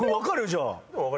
じゃあ。